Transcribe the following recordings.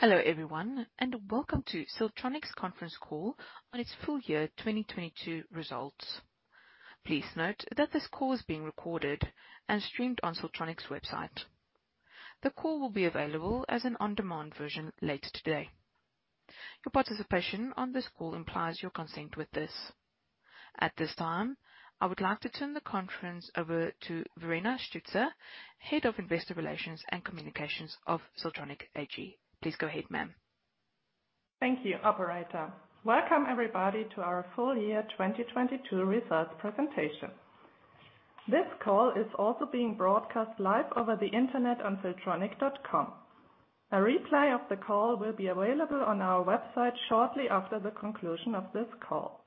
Hello, everyone, and welcome to Siltronic's conference call on its full year 2022 results. Please note that this call is being recorded and streamed on Siltronic's website. The call will be available as an on-demand version later today. Your participation on this call implies your consent with this. At this time, I would like to turn the conference over to Verena Stütze, Head of Investor Relations and Communications of Siltronic AG. Please go ahead, ma'am. Thank you, operator. Welcome everybody to our full year 2022 results presentation. This call is also being broadcast live over the Internet on Siltronic.com. A replay of the call will be available on our website shortly after the conclusion of this call.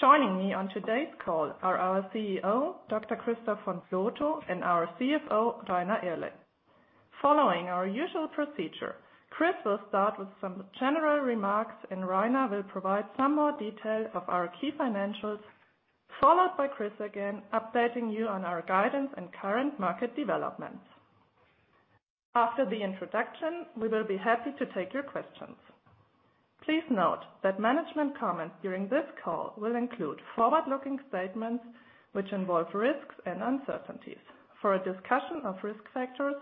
Joining me on today's call are our CEO, Dr. Christoph von Plotho, and our CFO, Rainer Irle. Following our usual procedure, Chris will start with some general remarks, and Rainer will provide some more detail of our key financials, followed by Chris again updating you on our guidance and current market developments. After the introduction, we will be happy to take your questions. Please note that management comments during this call will include forward-looking statements which involve risks and uncertainties. For a discussion of risk factors,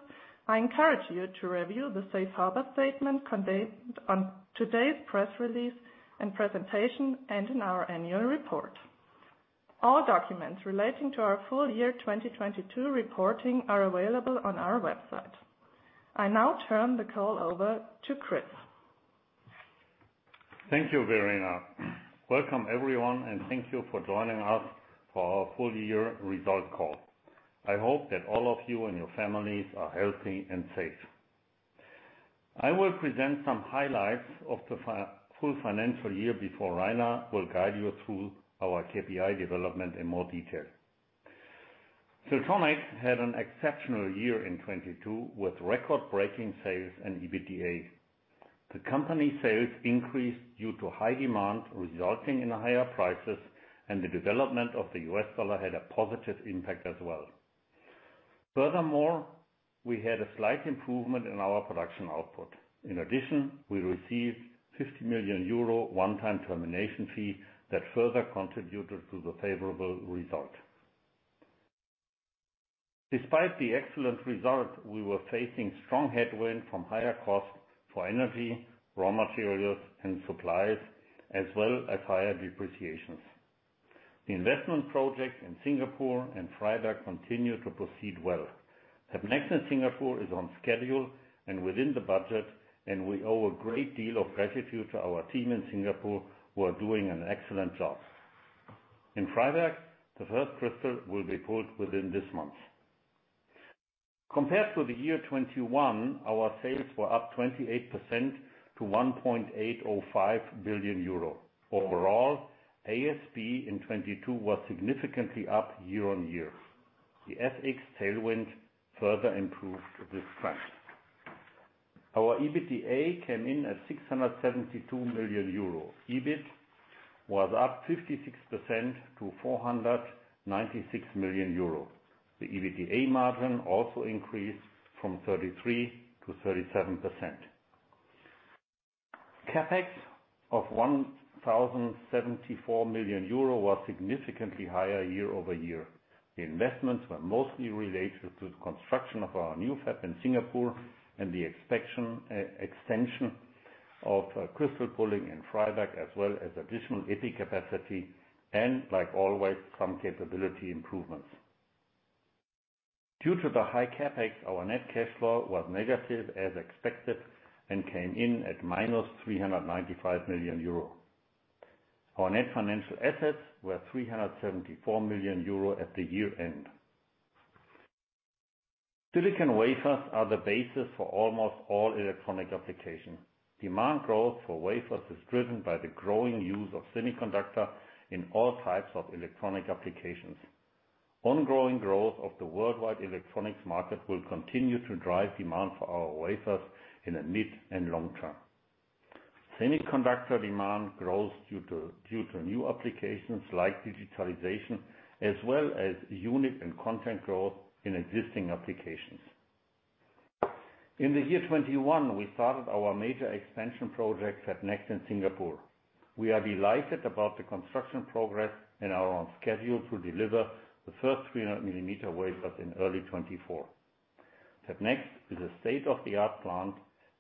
I encourage you to review the safe harbor statement contained on today's press release and presentation and in our annual report. All documents relating to our full year 2022 reporting are available on our website. I now turn the call over to Chris. Thank you, Verena. Welcome, everyone, and thank you for joining us for our full year result call. I hope that all of you and your families are healthy and safe. I will present some highlights of the full financial year before Rainer will guide you through our KPI development in more detail. Siltronic had an exceptional year in 2022 with record-breaking sales and EBITDA. The company sales increased due to high demand, resulting in higher prices, and the development of the U.S. dollar had a positive impact as well. Furthermore, we had a slight improvement in our production output. In addition, we received 50 million euro one-time termination fee that further contributed to the favorable result. Despite the excellent result, we were facing strong headwind from higher costs for energy, raw materials and supplies, as well as higher depreciations. The investment project in Singapore and Freiberg continue to proceed well. Fab Next in Singapore is on schedule and within the budget. We owe a great deal of gratitude to our team in Singapore who are doing an excellent job. In Freiberg, the first crystal will be pulled within this month. Compared to the year 2021, our sales were up 28% to 1.805 billion euro. Overall, ASP in 2022 was significantly up year-over-year. The FX tailwind further improved this trend. Our EBITDA came in at 672 million euro. EBIT was up 56% to 496 million euro. The EBITDA margin also increased from 33% to 37%. CapEx of 1,074 million euro was significantly higher year-over-year. The investments were mostly related to the construction of our new fab in Singapore and the extension of crystal pulling in Freiberg, as well as additional EPI capacity and, like always, some capability improvements. Due to the high CapEx, our net cash flow was negative as expected and came in at -395 million euro. Our net financial assets were 374 million euro at the year-end. Silicon wafers are the basis for almost all electronic application. Demand growth for wafers is driven by the growing use of semiconductor in all types of electronic applications. Ongoing growth of the worldwide electronics market will continue to drive demand for our wafers in the mid and long term. Semiconductor demand grows due to new applications like digitalization, as well as unit and content growth in existing applications. In the year 2021, we started our major expansion project, Fab Next, in Singapore. We are delighted about the construction progress and are on schedule to deliver the first 300 mm wafers in early 2024. Fab Next is a state-of-the-art plant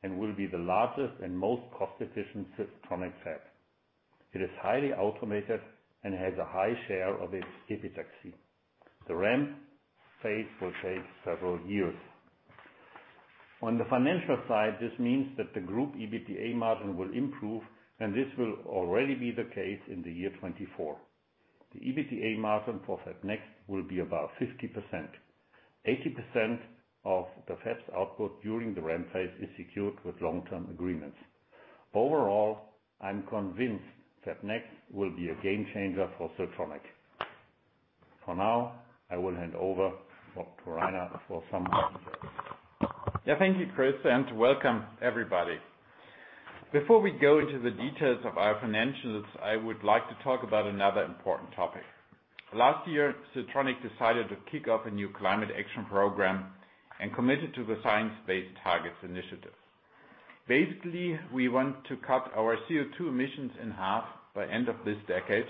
and will be the largest and most cost-efficient Siltronic fab. It is highly automated and has a high share of its epitaxy. The ramp phase will take several years. On the financial side, this means that the group EBITDA margin will improve, and this will already be the case in the year 2024. The EBITDA margin for Fab Next will be about 50%. 80% of the fab's output during the ramp phase is secured with long-term agreements. Overall, I'm convinced Fab Next will be a game changer for Siltronic. For now, I will hand over for Rainer for some more details. Yeah. Thank you, Chris, and welcome everybody. Before we go into the details of our financials, I would like to talk about another important topic. Last year, Siltronic decided to kick off a new climate action program and committed to the Science Based Targets initiative. Basically, we want to cut our CO₂ emissions in half by end of this decade,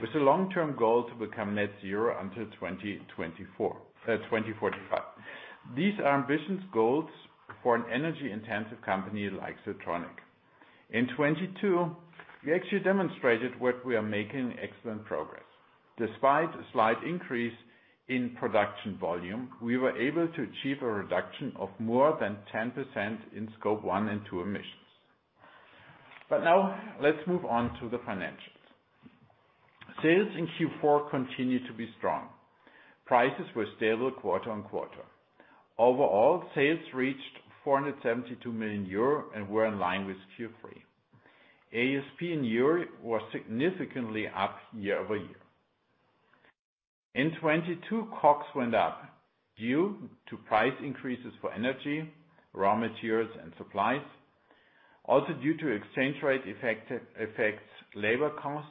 with the long-term goal to become net zero until 2024, 2045. These are ambitious goals for an energy-intensive company like Siltronic. In 2022, we actually demonstrated what we are making excellent progress. Despite a slight increase in production volume, we were able to achieve a reduction of more than 10% in Scope 1 and 2 emissions. Now let's move on to the financials. Sales in Q4 continued to be strong. Prices were stable quarter-on-quarter. Overall, sales reached 472 million euro and were in line with Q3. ASP in euro was significantly up year-over-year. In 2022, COGS went up due to price increases for energy, raw materials, and supplies. Due to exchange rate effect, affects labor costs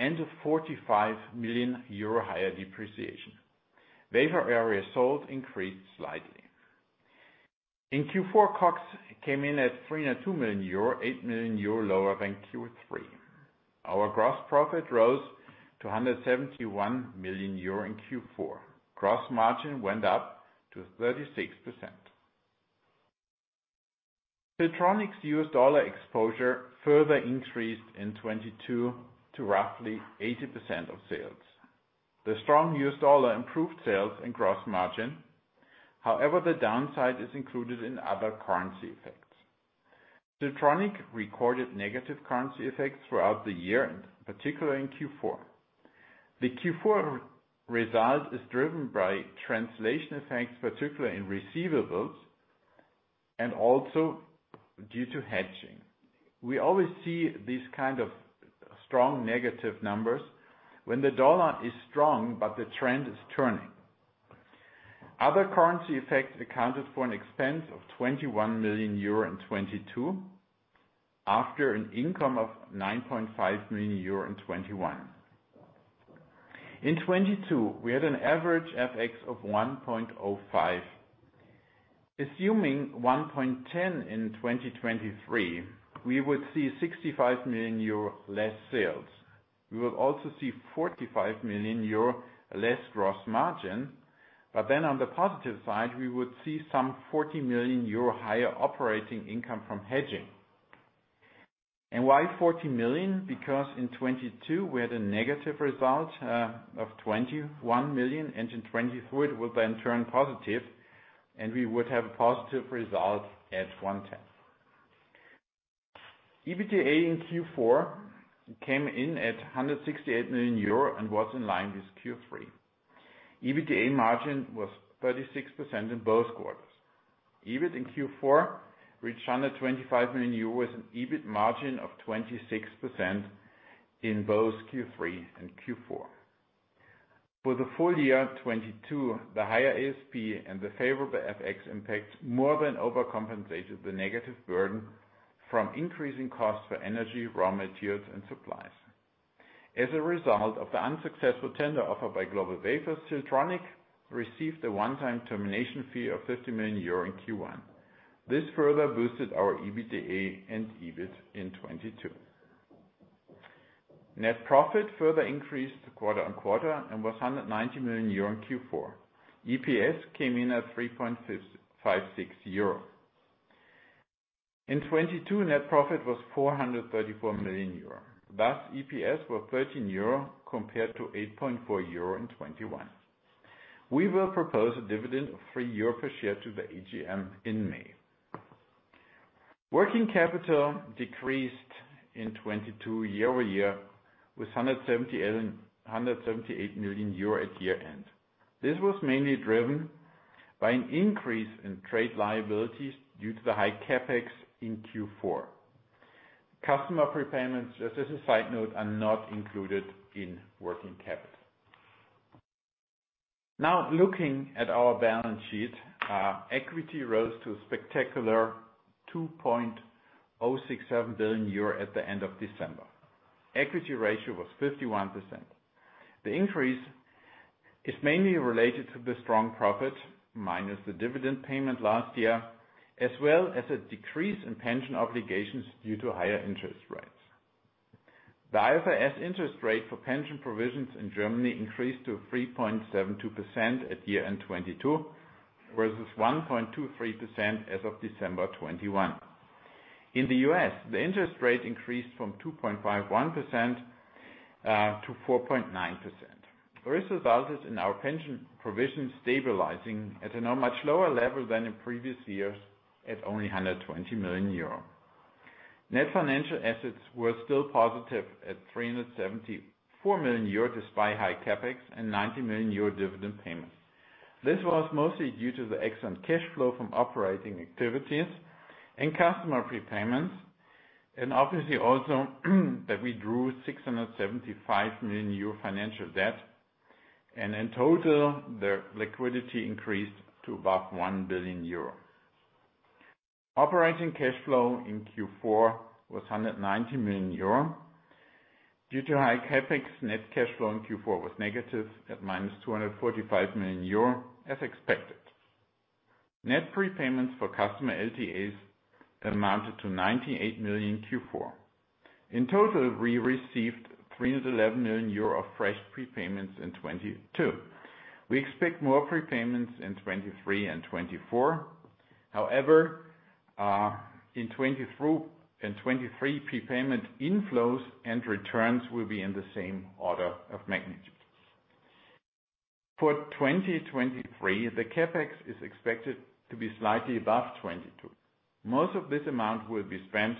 and a 45 million euro higher depreciation. Wafer area sold increased slightly. In Q4, COGS came in at 302 million euro, 8 million euro lower than Q3. Our gross profit rose to 171 million euro in Q4. Gross margin went up to 36%. Siltronic's U.S. dollar exposure further increased in 2022 to roughly 80% of sales. The strong U.S. dollar improved sales and gross margin. The downside is included in other currency effects. Siltronic recorded negative currency effects throughout the year, and particularly in Q4. The Q4 result is driven by translation effects, particularly in receivables and also due to hedging. We always see these kind of strong negative numbers when the U.S. dollar is strong, but the trend is turning. Other currency effects accounted for an expense of 21 million euro in 2022, after an income of 9.5 million euro in 2021. In 2022, we had an average FX of 1.05. Assuming 1.10 in 2023, we would see 65 million euro less sales. We would also see 45 million euro less gross margin. On the positive side, we would see some 40 million euro higher operating income from hedging. Why 40 million? Because in 2022, we had a negative result of 21 million, and in 2023, it will then turn positive, and we would have a positive result at 1.10. EBITDA in Q4 came in at 168 million euro and was in line with Q3. EBITDA margin was 36% in both quarters. EBIT in Q4 reached 125 million euros, an EBIT margin of 26% in both Q3 and Q4. For the full year 2022, the higher ASP and the favorable FX impact more than overcompensated the negative burden from increasing costs for energy, raw materials, and supplies. As a result of the unsuccessful tender offer by GlobalWafers, Siltronic received a one-time termination fee of 50 million euro in Q1. This further boosted our EBITDA and EBIT in 2022. Net profit further increased quarter on quarter and was 190 million euro in Q4. EPS came in at 3.56 euro. In 2022, net profit was 434 million euro. Thus, EPS were 13 euro compared to 8.4 euro in 2021. We will propose a dividend of 3 euro per share to the AGM in May. Working capital decreased in 2022 year-over-year with 178 million euro at year-end. This was mainly driven by an increase in trade liabilities due to the high CapEx in Q4. Customer prepayments, just as a side note, are not included in working capital. Now, looking at our balance sheet, equity rose to a spectacular 2.067 billion euro at the end of December. Equity ratio was 51%. The increase is mainly related to the strong profit minus the dividend payment last year, as well as a decrease in pension obligations due to higher interest rates. The IFRS interest rate for pension provisions in Germany increased to 3.72% at year-end 2022, versus 1.23% as of December 2021. In the U.S., the interest rate increased from 2.51% to 4.9%. This resulted in our pension provision stabilizing at a now much lower level than in previous years at only 120 million euro. Net financial assets were still positive at 374 million euro, despite high CapEx and 90 million euro dividend payments. This was mostly due to the excellent cash flow from operating activities and customer prepayments, and obviously also that we drew 675 million euro financial debt. In total, the liquidity increased to above 1 billion euro. Operating cash flow in Q4 was 190 million euro. Due to high CapEx, net cash flow in Q4 was negative at -245 million euro, as expected. Net prepayments for customer LTAs amounted to 98 million Q4. In total, we received 311 million euro of fresh prepayments in 2022. We expect more prepayments in 2023 and 2024. However, in 2024 and 2023, prepayment inflows and returns will be in the same order of magnitude. For 2023, the CapEx is expected to be slightly above 2022. Most of this amount will be spent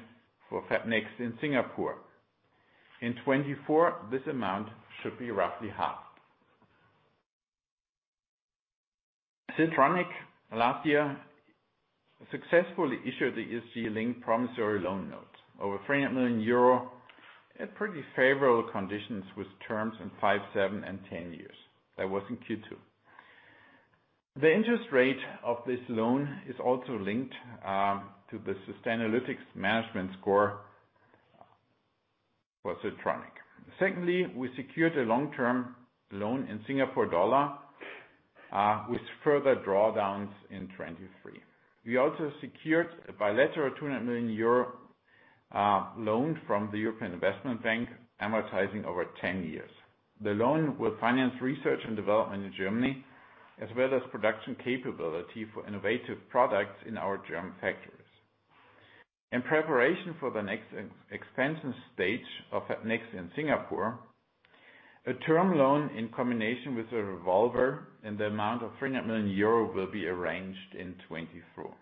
for Fab Next in Singapore. In 2024, this amount should be roughly half. Siltronic last year successfully issued the ESG-linked promissory loan note over 300 million euro at pretty favorable conditions with terms in five, seven, and 10 years. That was in Q2. The interest rate of this loan is also linked to the Sustainalytics management score for Siltronic. Secondly, we secured a long-term loan in Singapore dollar with further drawdowns in 2023. We also secured a bilateral 200 million euro loan from the European Investment Bank, amortizing over 10 years. The loan will finance research and development in Germany, as well as production capability for innovative products in our German factories. In preparation for the next expansion stage of Fab Next in Singapore, a term loan in combination with a revolver in the amount of 300 million euro will be arranged in 2024.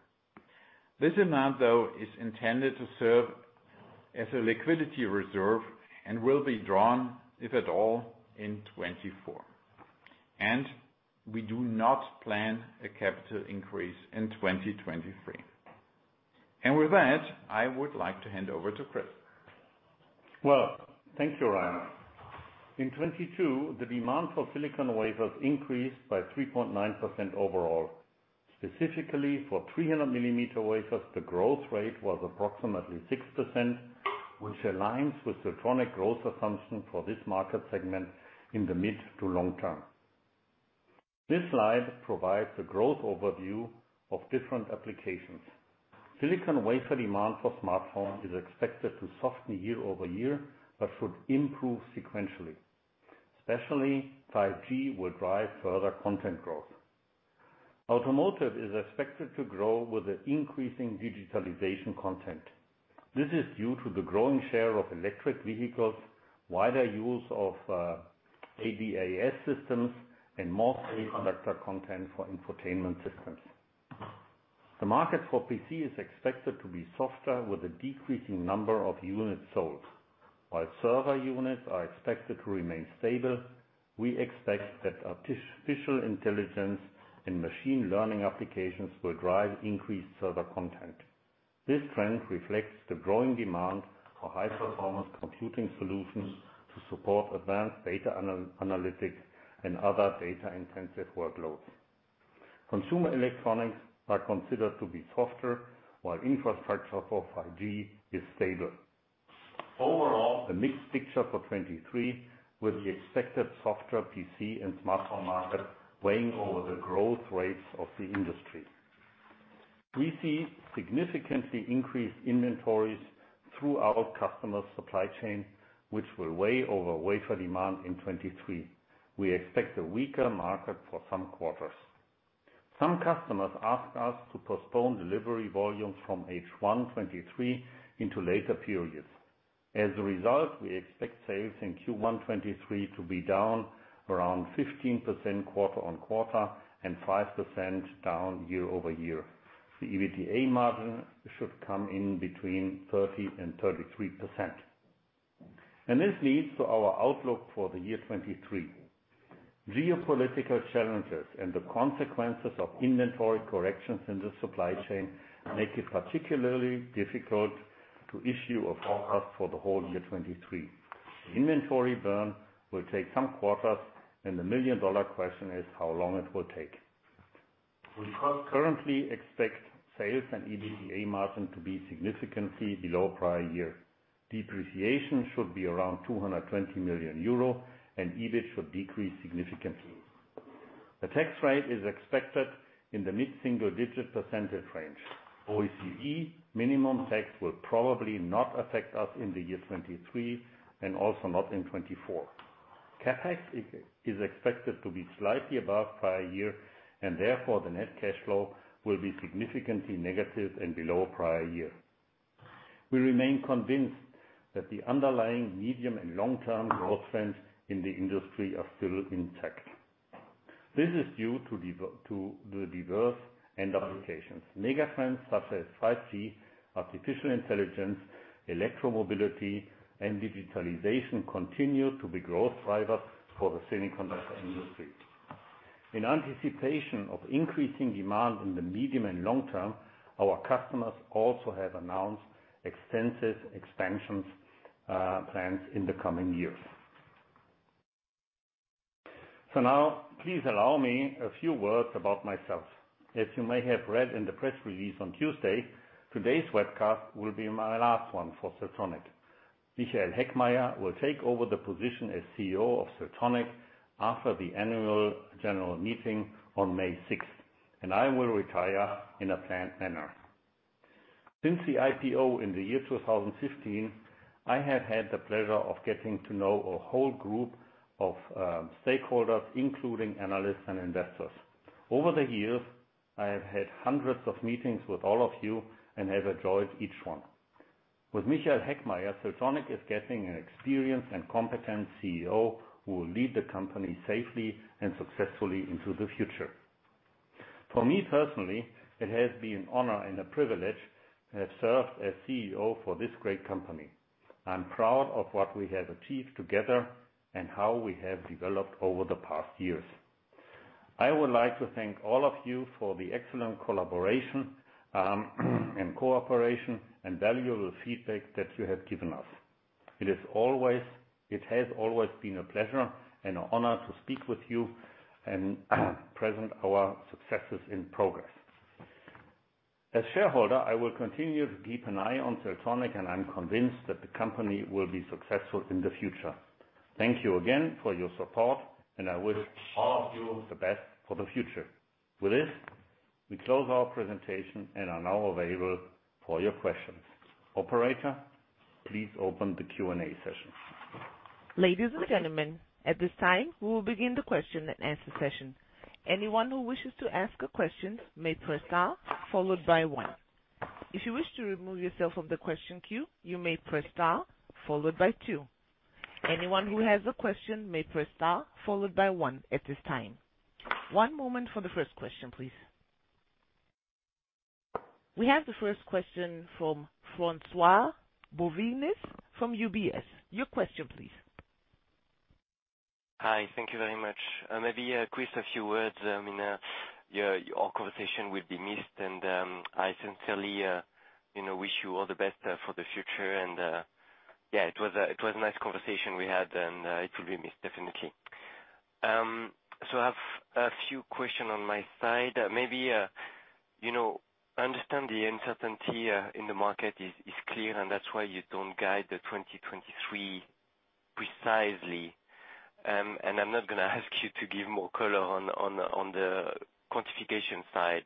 This amount, though, is intended to serve as a liquidity reserve and will be drawn, if at all, in 2024. We do not plan a capital increase in 2023. With that, I would like to hand over to Chris. Well, thank you, Rainer. In 2022, the demand for silicon wafers increased by 3.9% overall. Specifically, for 300 mm wafers, the growth rate was approximately 6%, which aligns with Siltronic growth assumption for this market segment in the mid to long term. This slide provides the growth overview of different applications. Silicon wafer demand for smartphone is expected to soften year-over-year, but should improve sequentially. Especially, 5G will drive further content growth. Automotive is expected to grow with an increasing digitalization content. This is due to the growing share of electric vehicles, wider use of ADAS systems, and more semiconductor content for infotainment systems. The market for PC is expected to be softer with a decreasing number of units sold. While server units are expected to remain stable, we expect that artificial intelligence and machine learning applications will drive increased server content. This trend reflects the growing demand for high-performance computing solutions to support advanced data analytics and other data-intensive workloads. Consumer electronics are considered to be softer, while infrastructure for 5G is stable. Overall, a mixed picture for 2023, with the expected softer PC and smartphone market weighing over the growth rates of the industry. We see significantly increased inventories throughout customers' supply chain, which will weigh over wafer demand in 2023. We expect a weaker market for some quarters. Some customers ask us to postpone delivery volumes from H1 2023 into later periods. We expect sales in Q1 2023 to be down around 15% quarter-over-quarter and 5% down year-over-year. The EBITDA margin should come in between 30% and 33%. This leads to our outlook for the year 2023. Geopolitical challenges and the consequences of inventory corrections in the supply chain make it particularly difficult to issue a forecast for the whole year 2023. The inventory burn will take some quarters, and the million-dollar question is how long it will take. We currently expect sales and EBITDA margin to be significantly below prior year. Depreciation should be around 220 million euro, and EBIT should decrease significantly. The tax rate is expected in the mid-single-digit percentage range. OECD minimum tax will probably not affect us in the year 2023 and also not in 2024. CapEx is expected to be slightly above prior year, and therefore, the net cash flow will be significantly negative and below prior year. We remain convinced that the underlying medium and long-term growth trends in the industry are still intact. This is due to the diverse end applications. Megatrends such as 5G, artificial intelligence, electromobility, and digitalization continue to be growth drivers for the semiconductor industry. In anticipation of increasing demand in the medium and long term, our customers also have announced extensive expansions plans in the coming years. Now please allow me a few words about myself. As you may have read in the press release on Tuesday, today's webcast will be my last one for Siltronic. Michael Heckmeier will take over the position as CEO of Siltronic after the annual general meeting on May 6th, and I will retire in a planned manner. Since the IPO in the year 2015, I have had the pleasure of getting to know a whole group of stakeholders, including analysts and investors. Over the years, I have had hundreds of meetings with all of you and have enjoyed each one. With Michael Heckmeier, Siltronic is getting an experienced and competent CEO who will lead the company safely and successfully into the future. For me personally, it has been an honor and a privilege to have served as CEO for this great company. I'm proud of what we have achieved together and how we have developed over the past years. I would like to thank all of you for the excellent collaboration, and cooperation and valuable feedback that you have given us. It has always been a pleasure and an honor to speak with you and present our successes and progress. As shareholder, I will continue to keep an eye on Siltronic, and I'm convinced that the company will be successful in the future. Thank you again for your support, and I wish all of you the best for the future. With this, we close our presentation and are now available for your questions. Operator, please open the Q&A session. Ladies and gentlemen, at this time, we will begin the question and answer session. Anyone who wishes to ask a question may press star followed by one. If you wish to remove yourself from the question queue, you may press star followed by two. Anyone who has a question may press star followed by one at this time. One moment for the first question, please. We have the first question from François-Xavier Bouvignies from UBS. Your question please. Hi. Thank you very much. Maybe, Chris, a few words. I mean, our conversation will be missed, and I sincerely, you know, wish you all the best for the future, and yeah, it was a, it was a nice conversation we had, and it will be missed definitely. I have a few question on my side. Maybe, you know, understand the uncertainty in the market is clear, and that's why you don't guide the 2023 precisely. I'm not gonna ask you to give more color on the quantification side.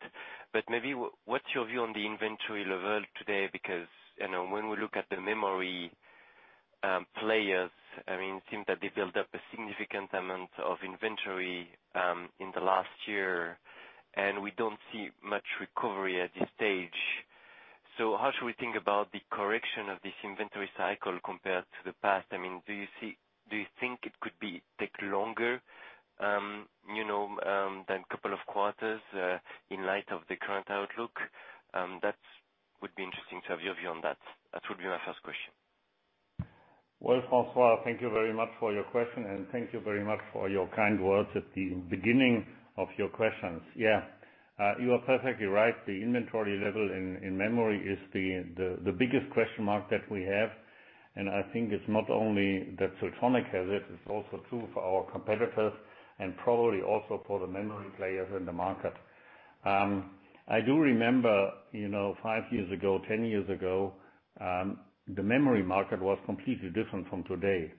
Maybe what's your view on the inventory level today? Because, you know, when we look at the memory players, I mean, it seems that they built up a significant amount of inventory in the last year, and we don't see much recovery at this stage. How should we think about the correction of this inventory cycle compared to the past? I mean, do you think it could be take longer, you know, than couple of quarters in light of the current outlook? That would be interesting to have your view on that. That would be my first question. Well, François, thank you very much for your question. Thank you very much for your kind words at the beginning of your questions. Yeah, you are perfectly right. The inventory level in memory is the biggest question mark that we have, and I think it's not only that Siltronic has it's also true for our competitors and probably also for the memory players in the market. I do remember, you know, five years ago, 10 years ago, the memory market was completely different from today.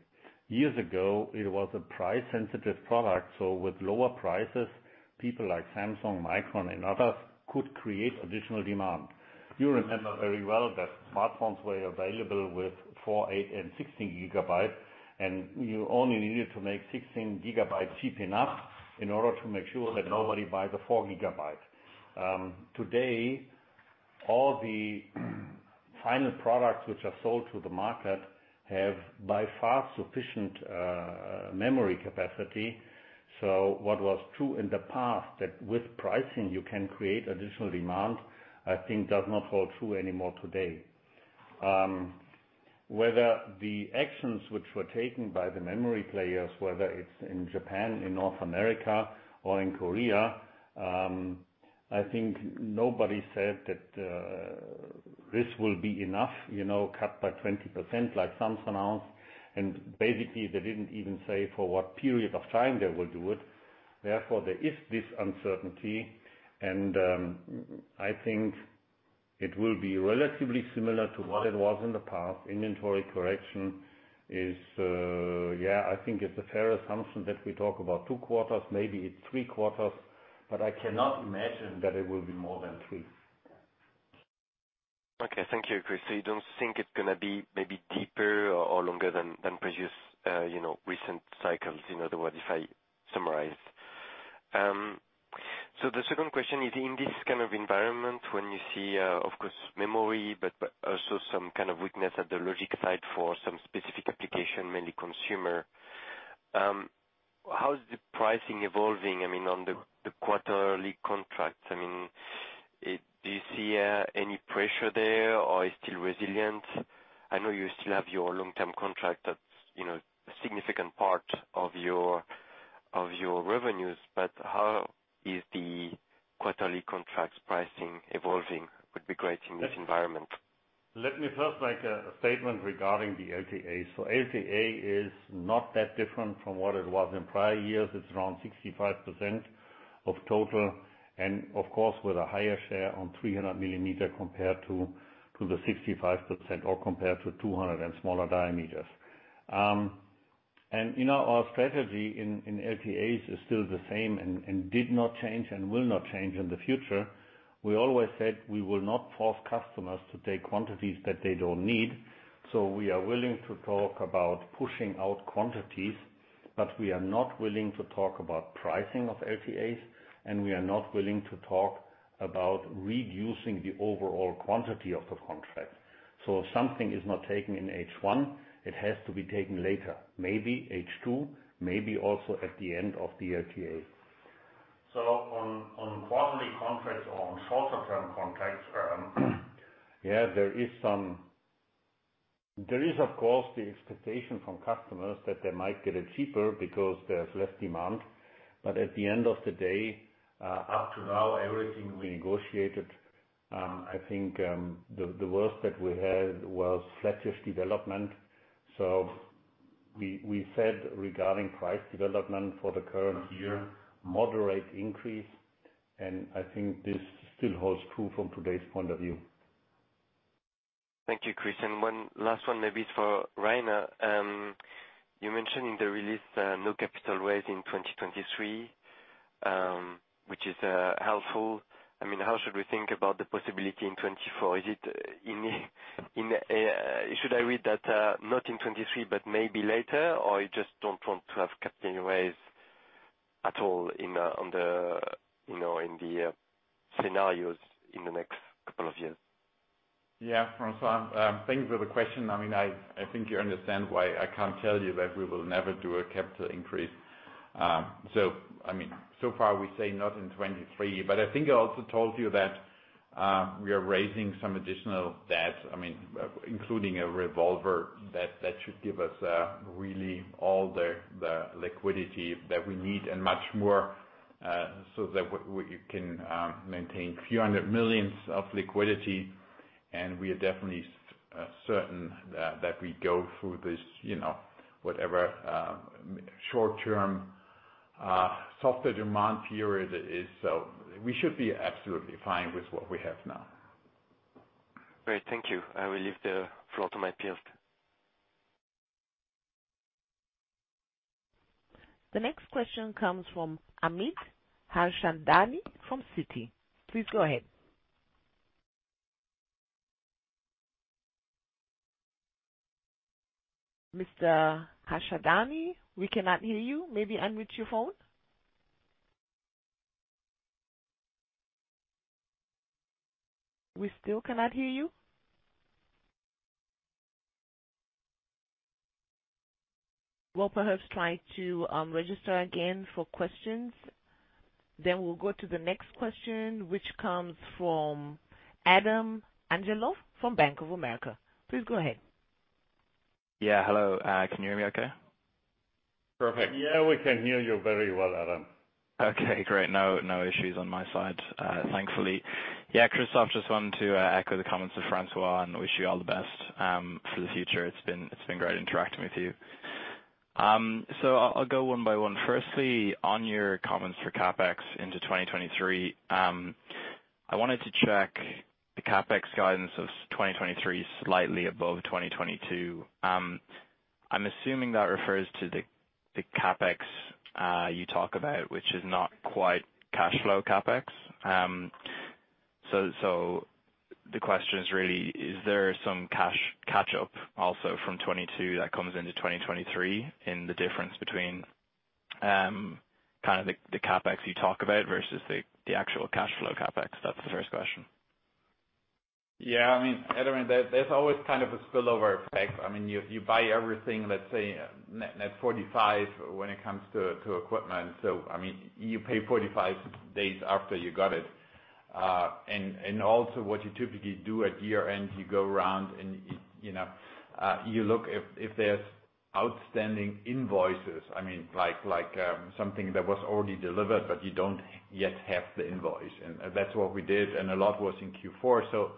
Years ago, it was a price-sensitive product. With lower prices, people like Samsung, Micron, and others could create additional demand. You remember very well that smartphones were available with 4 GB, 8 GB, and 16 GB, and you only needed to make 16 GB cheap enough in order to make sure that nobody buys a four gigabyte. Today, all the final products which are sold to the market have by far sufficient memory capacity. What was true in the past that with pricing you can create additional demand, I think does not hold true anymore today. Whether the actions which were taken by the memory players, whether it's in Japan, in North America, or in Korea, I think nobody said that this will be enough, you know, cut by 20% like Samsung announced, and basically they didn't even say for what period of time they will do it. There is this uncertainty, and, I think it will be relatively similar to what it was in the past. Inventory correction is, yeah, I think it's a fair assumption that we talk about two quarters, maybe it's three quarters, but I cannot imagine that it will be more than three. Okay. Thank you, Chris. You don't think it's gonna be maybe deeper or longer than previous, you know, recent cycles, in other words, if I summarize. The second question is in this kind of environment when you see, of course, memory but also some kind of weakness at the logic side for some specific application, mainly consumer, how is the pricing evolving, I mean, on the quarterly contracts? I mean, do you see any pressure there or is it still resilient? I know you still have your long-term contract that's, you know, a significant part of your revenues, but how is the quarterly contracts pricing evolving would be great in this environment. Let me first make a statement regarding the LTAs. LTA is not that different from what it was in prior years. It's around 65% of total, and of course, with a higher share on 300 mm compared to the 65%, or compared to 200 mm and smaller diameters. You know, our strategy in LTAs is still the same and did not change and will not change in the future. We always said we will not force customers to take quantities that they don't need. We are willing to talk about pushing out quantities, but we are not willing to talk about pricing of LTAs, and we are not willing to talk about reducing the overall quantity of the contract. If something is not taken in H1, it has to be taken later, maybe H2, maybe also at the end of the LTA. On quarterly contracts or on shorter term contracts, yeah, there is, of course, the expectation from customers that they might get it cheaper because there's less demand. At the end of the day, up to now, everything we negotiated, I think, the worst that we had was flattish development. We said, regarding price development for the current year, moderate increase, and I think this still holds true from today's point of view. Thank you, Chris. One last one, maybe it's for Rainer. You mentioned in the release, no capital raise in 2023, which is helpful. I mean, how should we think about the possibility in 2024? Is it should I read that not in 2023, but maybe later, or you just don't want to have capital raise at all, you know, in the scenarios in the next couple of years? Yeah. François, thank you for the question. I mean, I think you understand why I can't tell you that we will never do a capital increase. I mean, so far we say not in 2023, but I think I also told you that we are raising some additional debt, I mean, including a revolver that should give us really all the liquidity that we need and much more, so that we can maintain a few hundred million of liquidity. We are definitely certain that we go through this, you know, whatever short-term softer demand period is. We should be absolutely fine with what we have now. Great. Thank you. I will leave the floor to my peers. The next question comes from Amit Harchandani from Citi. Please go ahead. Mr. Harchandani, we cannot hear you. Maybe unmute your phone. We still cannot hear you. Perhaps try to register again for questions. We'll go to the next question, which comes from Adam Angelov from Bank of America. Please go ahead. Yeah. Hello. Can you hear me okay? Perfect. Yeah, we can hear you very well, Adam. Okay, great. No, no issues on my side, thankfully. Chris, just wanted to echo the comments of François and wish you all the best for the future. It's been great interacting with you. I'll go one by one. Firstly, on your comments for CapEx into 2023, I wanted to check the CapEx guidance of 2023 slightly above 2022. I'm assuming that refers to the CapEx you talk about, which is not quite cash flow CapEx. The question is really, is there some cash catch up also from 2022 that comes into 2023 in the difference between kind of the CapEx you talk about versus the actual cash flow CapEx? That's the first question. Yeah. I mean, Adam Angelov, there's always kind of a spillover effect. I mean, you buy everything, let's say, net 45 when it comes to equipment. I mean, you pay 45 days after you got it. Also what you typically do at year-end, you go around and, you know, you look if there's outstanding invoices, I mean, like something that was already delivered, but you don't yet have the invoice. That's what we did, and a lot was in Q4.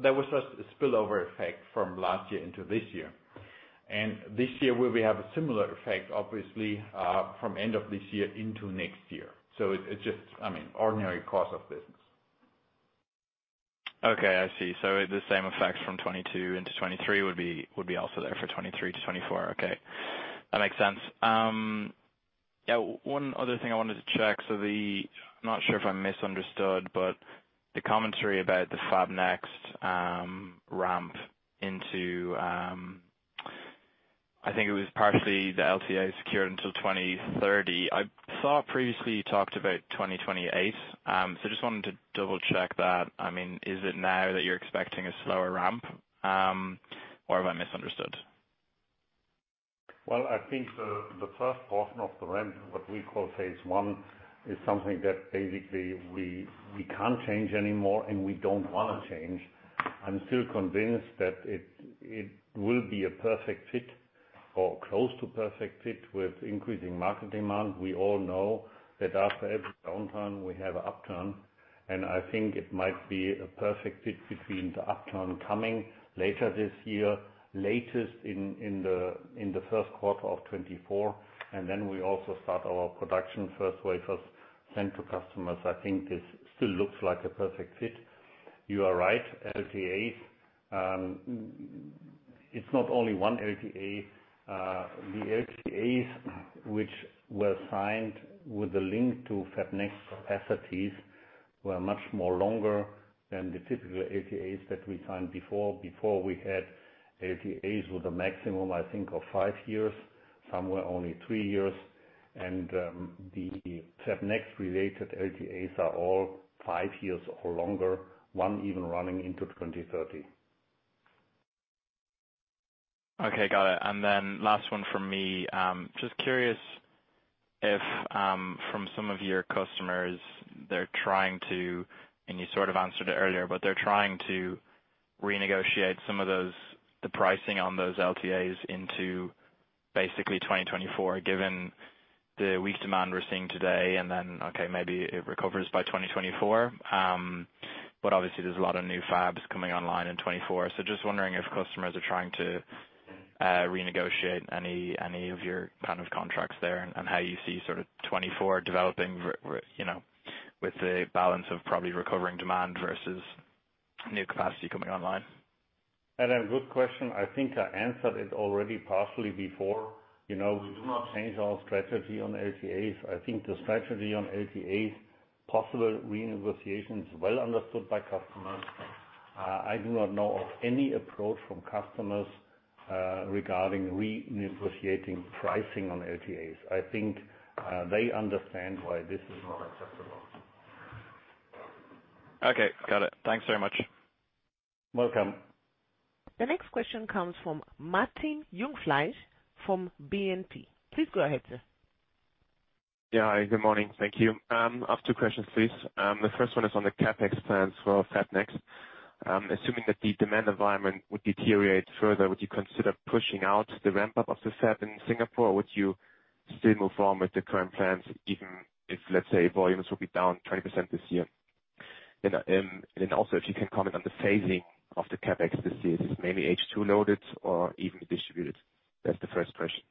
There was just a spillover effect from last year into this year. This year we will have a similar effect, obviously, from end of this year into next year. It just, I mean, ordinary course of business. Okay, I see. The same effect from 2022 into 2023 would be also there for 2023 to 2024. Okay. That makes sense. Yeah, one other thing I wanted to check. I'm not sure if I misunderstood, but the commentary about the Fab Next ramp into, I think it was partially the LTA secured until 2030. I saw previously you talked about 2028. Just wanted to double-check that. I mean, is it now that you're expecting a slower ramp, or have I misunderstood? Well, I think the first portion of the ramp, what we call phase 1, is something that basically we can't change anymore and we don't wanna change. I'm still convinced that it will be a perfect fit or close to perfect fit with increasing market demand. We all know that after every downturn we have an upturn, and I think it might be a perfect fit between the upturn coming later this year, latest in the first quarter of 2024. We also start our production, first wafers sent to customers. I think this still looks like a perfect fit. You are right, LTAs, it's not only one LTA. The LTAs which were signed with the link to Fab Next capacities were much more longer than the typical LTAs that we signed before. Before we had LTAs with a maximum, I think, of five years. Some were only three years. The Fab Next related LTAs are all five years or longer. One even running into 2030. Okay, got it. Last one from me. Just curious if from some of your customers, they're trying to, and you sort of answered it earlier, but they're trying to renegotiate some of those, the pricing on those LTAs into basically 2024, given the weak demand we're seeing today. Okay, maybe it recovers by 2024. Obviously there's a lot of new fabs coming online in 2024. Just wondering if customers are trying to renegotiate any of your kind of contracts there, and how you see sort of 2024 developing, you know, with the balance of probably recovering demand versus new capacity coming online. Adam, good question. I think I answered it already partially before. You know, we do not change our strategy on LTAs. I think the strategy on LTAs, possible renegotiation is well understood by customers. I do not know of any approach from customers regarding renegotiating pricing on LTAs. I think they understand why this is not acceptable. Okay, got it. Thanks very much. Welcome. The next question comes from Martin Jungfleisch from BNP. Please go ahead, sir. Yeah. Good morning. Thank you. I have two questions, please. The first one is on the CapEx plans for Fab Next. Assuming that the demand environment would deteriorate further, would you consider pushing out the ramp up of the fab in Singapore? Or would you still move on with the current plans, even if, let's say, volumes will be down 20% this year? Then also if you can comment on the phasing of the CapEx this year. Is it mainly H2 loaded or evenly distributed? That's the first question.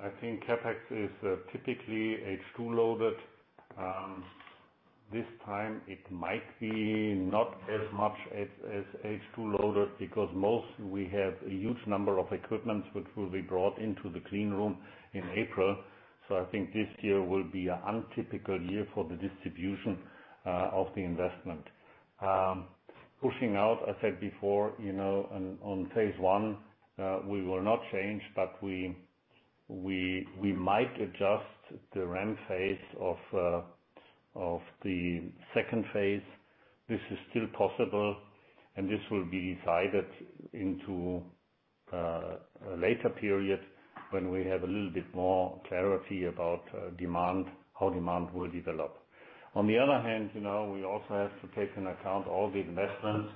I think CapEx is typically H2 loaded. This time it might be not as much as H2 loaded because most we have a huge number of equipments which will be brought into the clean room in April. So I think this year will be an untypical year for the distribution of the investment. Pushing out, I said before, you know, on phase one, we will not change, but we might adjust the ramp phase of the second phase. This is still possible, and this will be decided into a later period when we have a little bit more clarity about demand, how demand will develop. On the other hand, you know, we also have to take into account all the investments,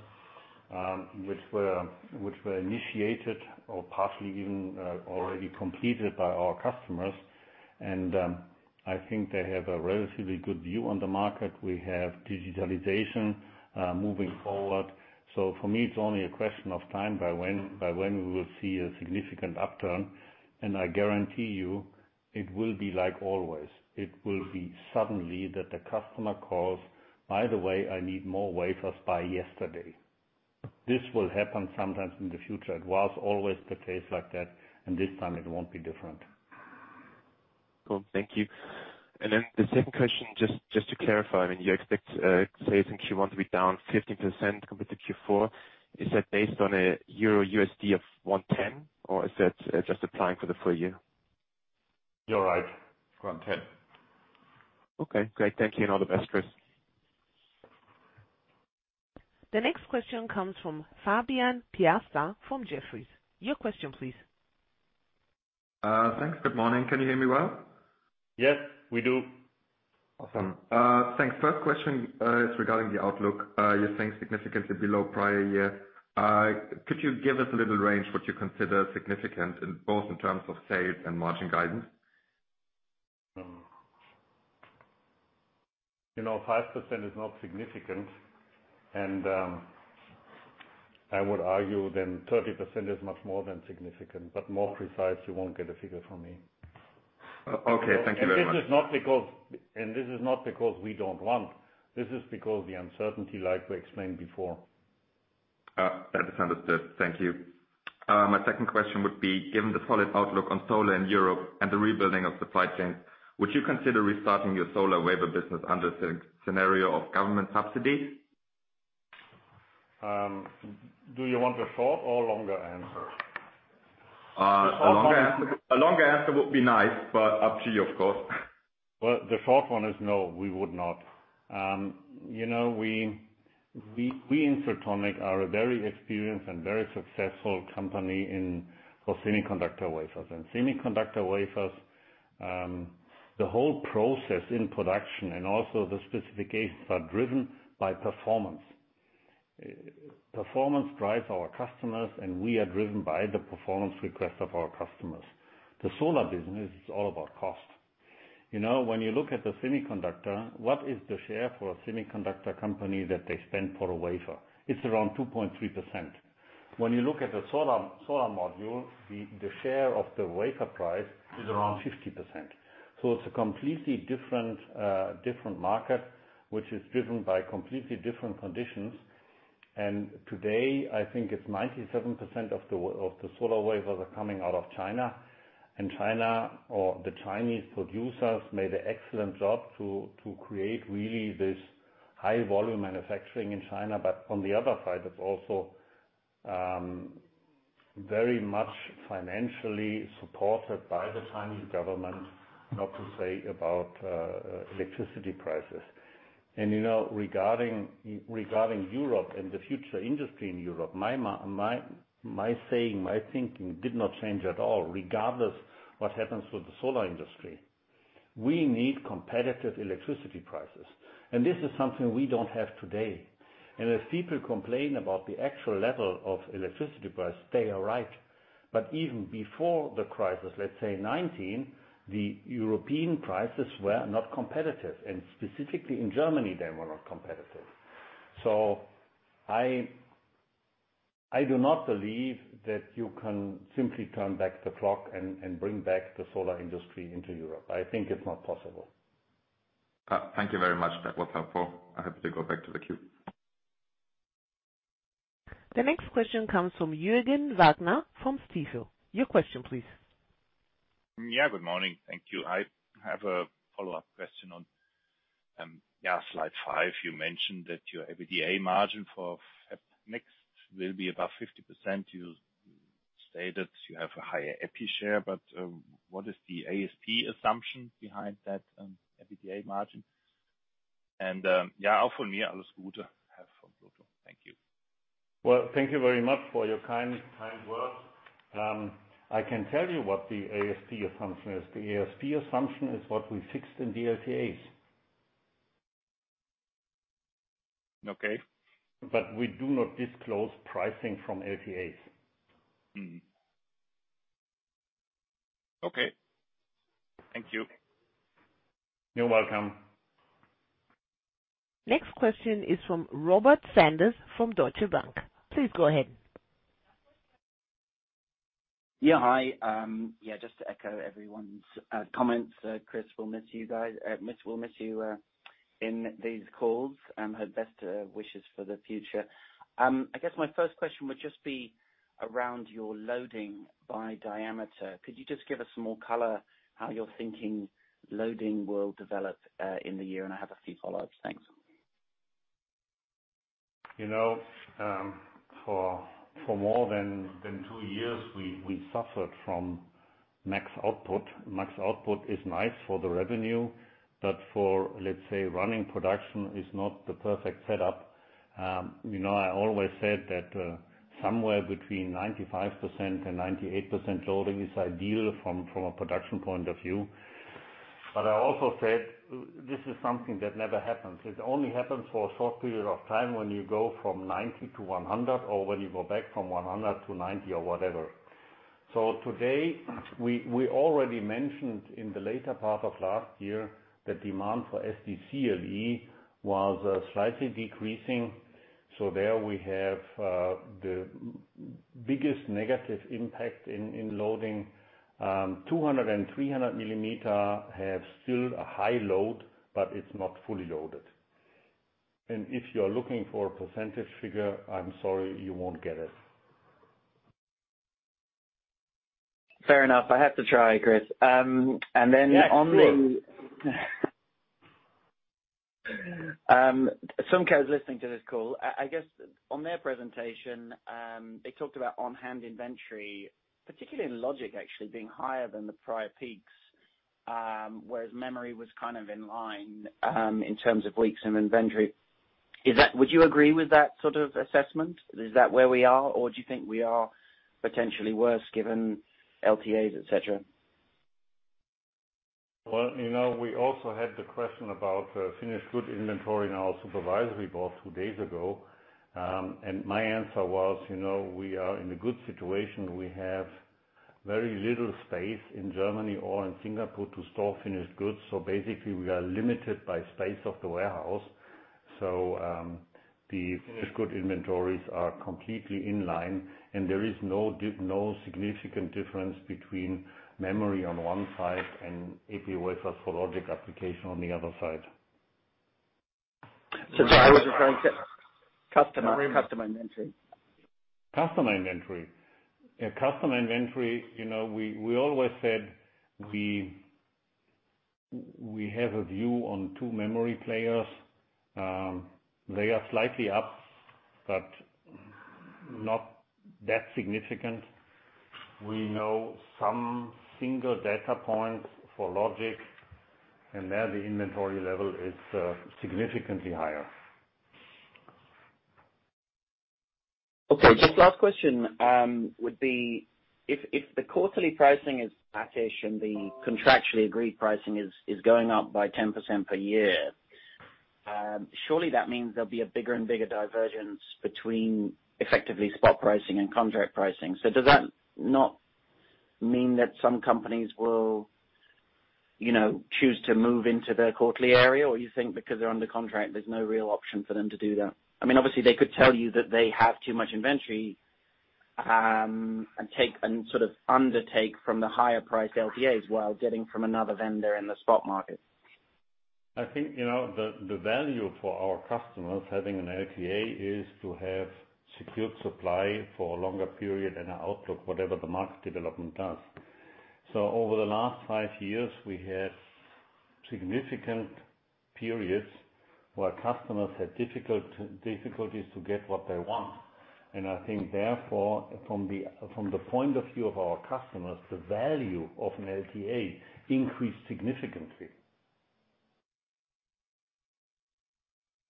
which were initiated or partially even already completed by our customers. I think they have a relatively good view on the market. We have digitalization moving forward. For me, it's only a question of time by when we will see a significant upturn. I guarantee you, it will be like always. It will be suddenly that the customer calls, "By the way, I need more wafers by yesterday." This will happen sometimes in the future. It was always the case like that, and this time it won't be different. Cool. Thank you. Then the second question, just to clarify, I mean, you expect sales in Q1 to be down 15% compared to Q4. Is that based on a Euro-USD of 1.10, or is that just applying for the full year? You're right. 1.10. Okay, great. Thank you, and all the best, Chris. The next question comes from Fabian Piasta from Jefferies. Your question, please. Thanks. Good morning. Can you hear me well? Yes, we do. Awesome. Thanks. First question is regarding the outlook. You're saying significantly below prior year. Could you give us a little range what you consider significant in both in terms of sales and margin guidance? you know, 5% is not significant. I would argue then 30% is much more than significant, but more precise, you won't get a figure from me. O-okay. Thank you very much. This is not because we don't want. This is because the uncertainty, like we explained before. That is understood. Thank you. My second question would be, given the solid outlook on solar in Europe and the rebuilding of supply chains, would you consider restarting your solar wafer business under scenario of government subsidy? Do you want a short or longer answer? A longer answer would be nice, but up to you of course. Well, the short one is no, we would not. You know, we in Siltronic are a very experienced and very successful company in, for semiconductor wafers. Semiconductor wafers, the whole process in production and also the specifications are driven by performance. Performance drives our customers, and we are driven by the performance request of our customers. The solar business is all about cost. You know, when you look at the semiconductor, what is the share for a semiconductor company that they spend for a wafer? It's around 2.3%. When you look at the solar module, the share of the wafer price is around 50%. It's a completely different market, which is driven by completely different conditions. Today, I think it's 97% of the solar wafers are coming out of China. China or the Chinese producers made an excellent job to create really this high volume manufacturing in China. On the other side, it's also very much financially supported by the Chinese government, not to say about electricity prices. You know, regarding Europe and the future industry in Europe, my saying, my thinking did not change at all regardless what happens with the solar industry. We need competitive electricity prices. This is something we don't have today. If people complain about the actual level of electricity price, they are right. Even before the crisis, let's say 2019, the European prices were not competitive, and specifically in Germany, they were not competitive. I do not believe that you can simply turn back the clock and bring back the solar industry into Europe. I think it's not possible. Thank you very much. That was helpful. I have to go back to the queue. The next question comes from Jürgen Wagner from Stifel. Your question, please. Good morning. Thank you. I have a follow-up question on slide five. You mentioned that your EBITDA margin for Fab Next will be above 50%. You stated you have a higher EPI share, but what is the ASP assumption behind that EBITDA margin? Well, thank you very much for your kind words. I can tell you what the ASP assumption is. The ASP assumption is what we fixed in the LTAs. Okay. We do not disclose pricing from LTAs. Okay. Thank you. You're welcome. Next question is from Robert Sanders from Deutsche Bank. Please go ahead. Hi, yeah. Just to echo everyone's comments. Chris, we'll miss you guys. We'll miss you in these calls, and our best wishes for the future. I guess my first question would just be around your loading by diameter. Could you just give us some more color how you're thinking loading will develop in the year? I have a few follow-ups. Thanks. You know, for more than two years, we suffered from max output. Max output is nice for the revenue, but for let's say, running production is not the perfect setup. You know, I always said that somewhere between 95% and 98% loading is ideal from a production point of view. I also said this is something that never happens. It only happens for a short period of time when you go from 90% to 100% or when you go back from 100% to 90% or whatever. Today, we already mentioned in the later part of last year that demand for SD CLE was slightly decreasing. There we have the biggest negative impact in loading. 200 mm and 300 mm have still a high load, but it's not fully loaded. If you are looking for a percentage figure, I'm sorry, you won't get it. Fair enough. I have to try, Chris. then on the- Yeah, sure. Some guys listening to this call, I guess on their presentation, they talked about on-hand inventory, particularly in logic, actually being higher than the prior peaks, whereas memory was kind of in line, in terms of weeks in inventory. Would you agree with that sort of assessment? Is that where we are, or do you think we are potentially worse given LTAs, et cetera? Well, you know, we also had the question about finished good inventory in our supervisory board two days ago. My answer was, you know, we are in a good situation. We have very little space in Germany or in Singapore to store finished goods. Basically, we are limited by space of the warehouse. The finished good inventories are completely in line, and there is no significant difference between memory on one side and EPI wafers for logic application on the other side. I was referring to customer inventory. Customer inventory. Yeah, customer inventory, you know, we always said we have a view on two memory players. They are slightly up, Not that significant. We know some single data points for logic and there the inventory level is significantly higher. Just last question, would be if the quarterly pricing is flat-ish and the contractually agreed pricing is going up by 10% per year, surely that means there'll be a bigger and bigger divergence between effectively spot pricing and contract pricing. Does that not mean that some companies will, you know, choose to move into the quarterly area, or you think because they're under contract, there's no real option for them to do that? Obviously, they could tell you that they have too much inventory, and sort of undertake from the higher price LTAs while getting from another vendor in the spot market. I think, you know, the value for our customers having an LTA is to have secured supply for a longer period and an outlook, whatever the market development does. Over the last five years, we had significant periods where customers had difficulties to get what they want. I think therefore, from the, from the point of view of our customers, the value of an LTA increased significantly.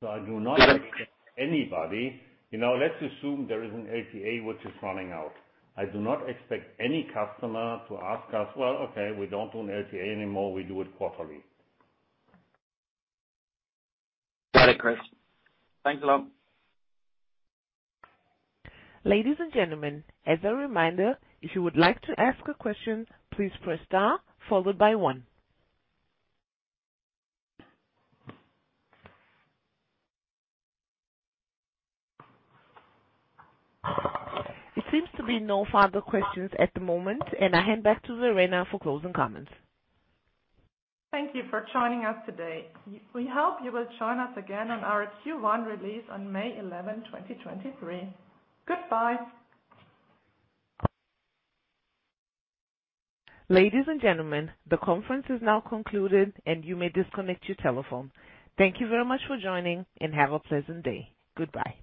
I do not expect anybody. You know, let's assume there is an LTA which is running out. I do not expect any customer to ask us, "Well, okay, we don't do an LTA anymore. We do it quarterly. Got it, Chris. Thanks a lot. Ladies and gentlemen, as a reminder, if you would like to ask a question, please press star followed by one. It seems to be no further questions at the moment. I hand back to Verena for closing comments. Thank you for joining us today. We hope you will join us again on our Q1 release on May 11, 2023. Goodbye. Ladies and gentlemen, the conference is now concluded, and you may disconnect your telephone. Thank you very much for joining, and have a pleasant day. Goodbye.